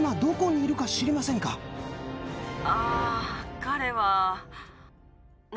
あぁ彼は。